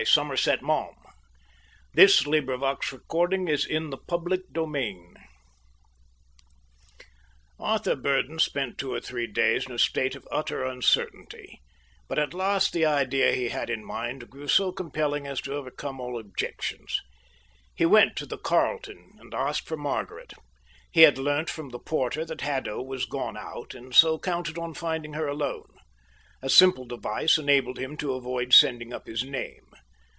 Margaret gave a bitter little laugh and walked past her. Chapter XII Arthur Burdon spent two or three days in a state of utter uncertainty, but at last the idea he had in mind grew so compelling as to overcome all objections. He went to the Carlton and asked for Margaret. He had learnt from the porter that Haddo was gone out and so counted on finding her alone. A simple device enabled him to avoid sending up his name.